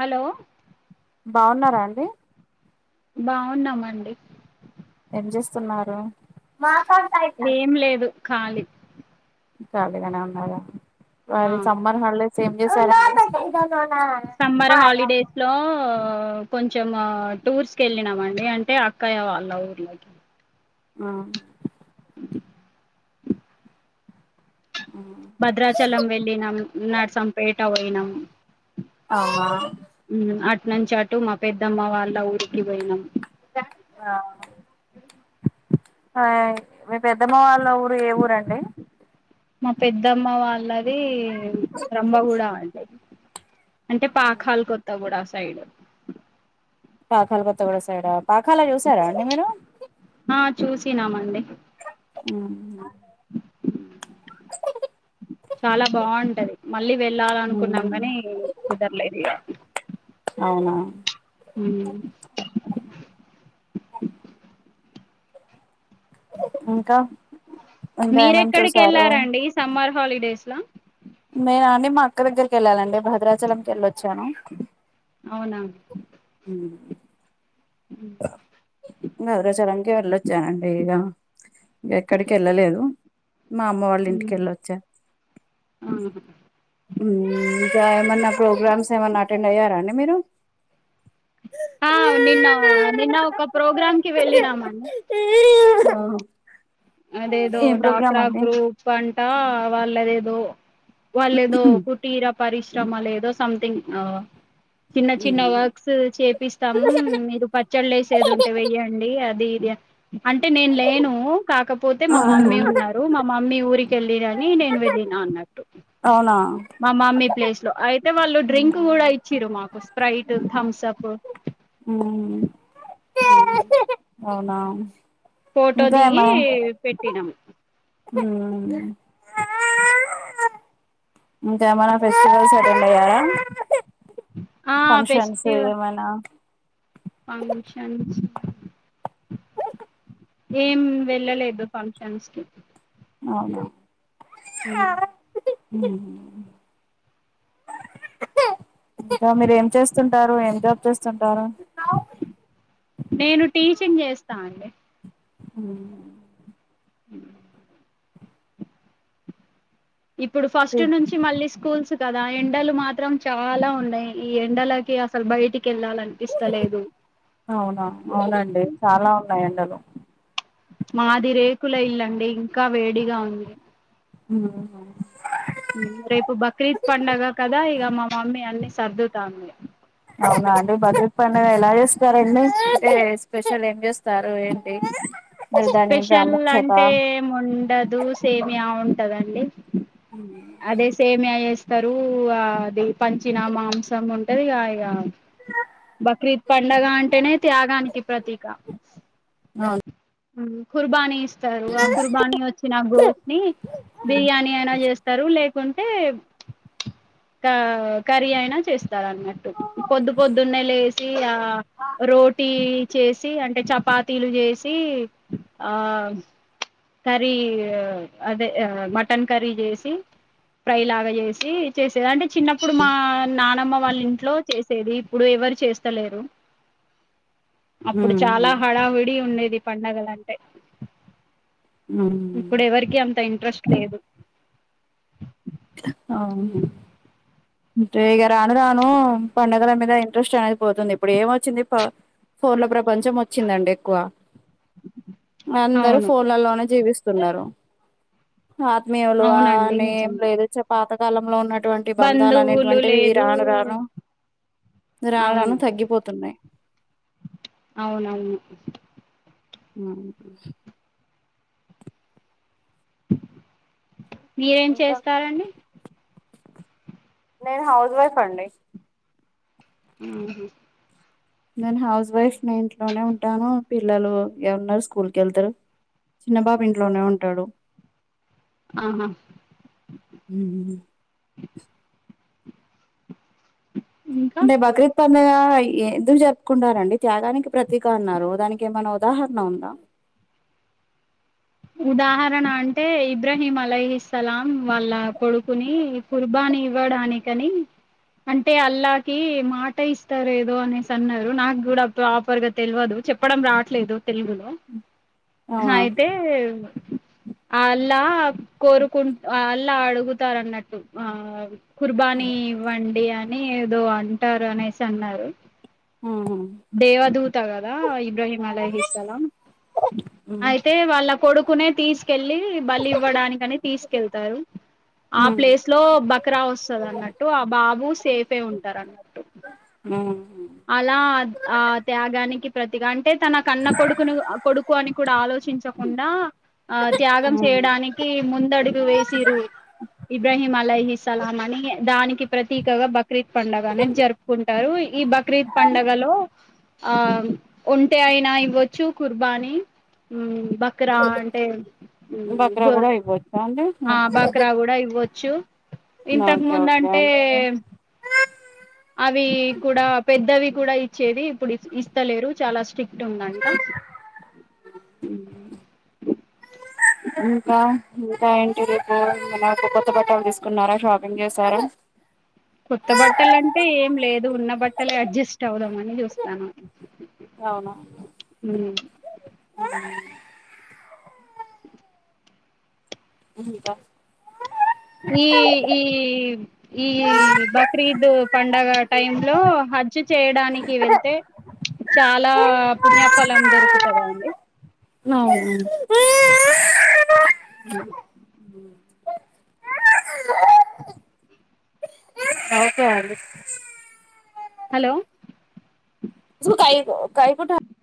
Hello బాగున్నారా అండి బాగున్నామండి ఏ చేస్తున్నారు ఏం లేదు ఖాలి కాలిగానే ఉన్నారా ఆ మరి సమ్మర్ హాలీడెస్ లో ఏం చేసరం కొం చెం టూర్స్కి వెళ్ళినమం టి అంటే అక్కయ వాళ్ళ ఊర్లోకి ఆ ఉమ్ భద్రాచలం వెళ్ళినాం నర్సంపేట పోయినాం అ అవునా అట్ నుంచి అటు మా పెద్దమ్మ వాళ్ళ ఊరికి పోయినాం ఆ మీ పెద్దమ్మ వాళ్ళ ఊరు ఏ ఊరండి మా పెద్దమ్మ వాళ్ళ ది బ్రంభగూడా అండి అంటే పాకాల కొత్తగూడా స్ సైడ్ పాకాల కొత్తగూడ సైడ్ పాకాల చూసారా అండి మీరు ఆ చూసినామండి హ్మ్ చాలా బాగుంటది మ మళ్ళీ వెళ్ళాల అనుకున్నాం గని కుదరలేదు ఇగ అవునా ఇంకా ఇంకా ఏమేమి మీరెక్కడికి చూసారు వెళ్లారండి సమ్మర్ హాలిడేస్లా నేన అండి మా అక్క దగ్గరికి వెళ్ళాలండి భద్రాచలంకి ఎళ్ళొచ్చాను అవునా హ్మ్ గద్రాచలంకి వెళ్ళొచ్చానండి ఇగ ఎక్కడికి వెళ్ళలేదు మా అమ్మ వాళ్ళ ఇంటికి వెళ్ళొచ్చా కా ఏమన్నా ప్రోగ్రామ్స్ ఏమన్నా అటెండ్ అయ్యారా అండి మీరు ఆ నిన్న నిన్న ఒక ప్రోగ్రాంకిి వెళ్ళినామన్ అదేదో ఏ ప్రోగ్రామ్ డాక్రా అండి గ్రూప్ అన్ వాళ్ళదేదో వాల్లేదో కుటీర పరిశ్రమలు ఏదో సంథింగ్ చిన్న చిన్న వర్క్స్ చేపిస్తామ్ మీరు పచ్చల్లేసేది ఉంటే వెయ్యండి అది అంటే నేను లేను కాకపోతే మా మమ్మీ ఉన్నారు మా మమ్మీ ఊరికెల్లిరని నేను వెళ్ళిన అన్నట్టు అవునా మా మమ్మీ ప్లేస్ లో అయితే వాళ్ళు డ్రింక్ కూడా ఇచ్చిరు మాకోసం. ప్రైట్ థమ్స్ అప్ హ్మ్ అవునా ఫోటో ఇంకా దిగి పెట్టినమ్ హ్మ్ ఇంకేమైనా ఫెస్టివల్స్ అటెండ్ అయ్యారా ఆ ఫంక్షన్స్ పెస్టివల్ ఏమైనా ఫంక్షన్స్ ఏం వెళ్ళలేదు ఫంక్షన్స్ కి అవును హ్మ్ ఇంక మీరు ఏం చేస్తుంటారు ఏం జాబ్ చేస్తుంటారు చేస్తామండి హ్మ్ ఇప్పుడు ఫస్ట్ నుంచి మళ్ళీ స్కూల్స్ కదా ఎండలు మాత్రం చ చాలా ఉన్నాయి ఈ ఎండలకి అసల్ బయటి అవునా అవునండి చాలా ఉన్నాయి ఎండలు మాది రేకుల ఇల్లండి. ఇంకా వేడిగా ఉంది ఉ అవును రేపు బక్రీద్ సర్దుతామే అవునా అండి బర్డే పండగ ఎలా ఎస్తారండి. ఏ స్పెషల్ ఏం జెస్ త్తరు ఏంటి మరి దాని స్పెషల్ ప్రాముఖ్యత అంటే ఏం ఉండదు. సేమ్యా ఉం టదండి అదే సేమ్యా ఎస్ త్తరు ఆది పచినా మాంసం ఉంటది. ఇగ ఇగ బక్రీద్ పండగ అంటేనే త్యాగానికి ప్రతీక అవున్ హ్ కుర్బాని స్ త్తరు ఆ కుర్బానీ వచ్చిన గోట్ని బిర్యానీ అయినా జేస్తారు లేక్ కుంటే కా కర్రీ అయినా చేస్తారాన్నట్టు పొద్దు పొద్దున్నే లేసి సి ఆ రోటీ చేసి అంటే చపాతీలు జెస్ సి ఆ కర్రీ ఆ అదే ఆ మటన్ కర్రీ జేసి, ప్రై లాగా జేసి చేసేద్. అంటే చిన్నప్పుడు మా నానమ్మ వాళ్ళ ఇంట్లో చేసేది. ఇప్పుడు ఎవరు చేస్తలేరు అప్పుడు చాలా ఉమ్ హడావిడి ఉండేది పండగలంటే ఇప్పుడు ఎవరికి అంత ఇంట్రెస్ట్ లేదు అవును ంతేగా రాను రాను పండగల మీద ఇన్ ట్రెస్ట్ అనేది పోతుంది. ఇప్పుడు ఏమోచ్చింది ఫోన్ల ప్రపంచం వచ్చిందండి ఎక్కువ అందరూ అవును ఫోన్లలోనే జీవిస్ స్తున్నారు ఆత్మీయులు అవునండి ఆనేం నిజమే [unintelligible] చ్చ పాత కాలంలో ఉన్నట్ టువంటి బంధాలు బంధువులు అనేటువంటివి ఈ లేదు రాను రాను. రాను అవును రాను తగ్గిపోతున్నాయ్ అవునవును ఉ మీరేం ఇంకా చేస్తారండి నేను హౌజ్ వైఫ్ అండి ఉ హ్ నేను హౌస్ వైఫ్ నే ఇంట్లోనే ఉంటాను పిల్లలు ఎవన్నారు స్కూల్ కేళ్తారు చిన్న బాబు ఇంట్లోనే ఉంటాడు. ఆహా ఇంకా అంటే బక్రీద్ పండగ ఎందుకు చెప్పుకుంటారండి త్యాగానికి ప్రతీక అన్నారు దానికి ఏమైనా ఉదాహరణ ఉందా ఉదాహరణ అంటే ఇబ్రాహీం అలహస్లాం వాళ్ళ కొడుకుని కుర్బాని ఇవ్వడానికని అంటే అల్లాకి మాట ఇస్తారు ఏదో అనేసి అన్నారు నాకు కూడా ప్రాపర్గా తెలియదు చెప్పడం రాట్లేదు. తెలుగులో ఆ అయితే అల్లా కోరుకుంట అల్లా అడుగుతారు అన్నట్టు ఆ కుర్బానీ వండి అని ఏదో అ ఉంటారు అనేసి అన్నారు ఉ దేవదూ తగదా ఇబ్రాహిం అలహీస్ సలామ్ ఉ అయితే వాళ్ళ కొడుకునే తీసుకెళ్ళి బలి ఇవ్వడానికి అని తీసుకెళ్తారు ఆ ప్లేస్ లో బ రా వస్తాది అన్నట్టు ఆ బాబు సేఫ్ ఉంటారు అన్నట్టు హు హ్మ్మ్ అలా ఆ త్యాగానికి ప్రతిగాంట అంటే తన కన్న కొడుకును కొడుకు అని కూడా ఆలోచించ ఉన్నా ఆ త్యాగం చేయడానికి ముందడుగు వేసిరు ఇబ్రాహీం అలహస్లాం అని దానికి ప్రతీకగా బక్రీద్ పండుగ అనేది జరుపుకుంటారు ఈ బక్ర ఈ పంండగలో ఆ ఉంటే అయినా ఇవ్వచ్చు కుర్బానీ ఉమ్ బక్రా అంటే ఉమ్ ఉ బక్రా కూడా గొర్రె అయిపోవచ్చా ఆ అండి బక్రా కూడా ఇవ్వచ్చు చూ ఇంతకు ఓకే ఓకే ముందుంటే అండి అవి కూడా పెద్దవి కూడా ఇచ్చేది ఇప్పుడు ఇస్తలేరు చాలా స్ట్రిక్ట్ [unintelligible] అంట ఇంకా ఇంకా ఏంటి రేపు మ కొత్త బట్టాలు తీసుకున్నారా షాపింగ్ చేసారా కొత్త బట్టల అంటే ఏం లేదు ఉన్న బట్టలే అడ్జస్ట్ అవదాంమని చూస్తాన్నాం అవునవును [unintelligible] ఇంకా ఈ ఈ ఈ బక్రీద్ పండగ టైం లో హజ్ చేయ డానికి వెళ్తే చాలా పుణ్యఫలం దొరుకుతాదా అండి అవును రైటే అండి హలో కైకు కైకుట